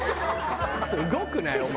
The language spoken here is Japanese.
「動くなよお前」